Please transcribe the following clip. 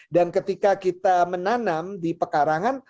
ketika kita menanam di pekarangan